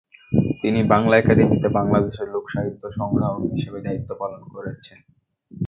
তিনি বাংলা একাডেমীতে বাংলাদেশের লোক সাহিত্য সংগ্রাহক হিসেবে দায়িত্ব পালন করেছেন।